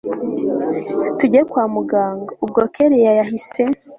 tujye kwamuganga ubwo kellia yahise